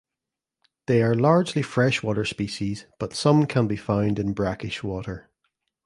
They are largely freshwater species but some can be found in brackish water.